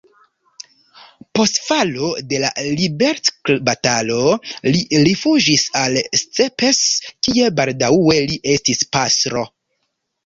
Post falo de la liberecbatalo li rifuĝis al Szepes, kie baldaŭe li estis pastro.